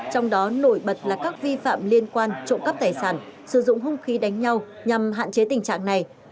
trong đó nổi bật là các vi phạm liên quan trộm cắp tài sản sử dụng hung khí đánh nhau nhằm hạn chế tình trạng này